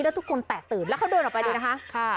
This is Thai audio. แล้วทุกคนแตกตื่นแล้วเขาเดินออกไปดูนะคะ